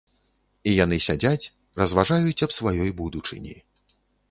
І яны сядзяць, разважаюць аб сваёй будучыні.